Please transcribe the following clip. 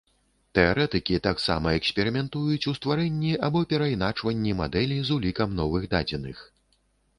Тэарэтыкі таксама эксперыментуюць ў стварэнні або перайначванні мадэлі з улікам новых дадзеных.